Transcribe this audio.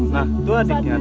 nah dua adiknya datang